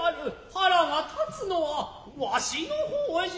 腹が立つのはわしの方じゃ。